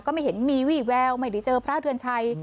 ไม่เห็นมีวี่แววไม่ได้เจอพระเดือนชัย